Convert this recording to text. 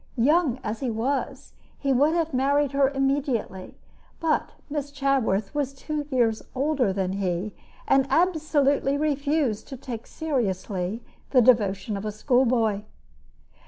Young as he was, he would have married her immediately; but Miss Chaworth was two years older than he, and absolutely refused to take seriously the devotion of a school boy.